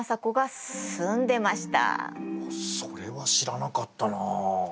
あっそれは知らなかったなあ。